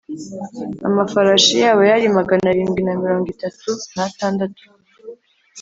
Amafarashi yabo yari magana arindwi na mirongo itatu n atandatu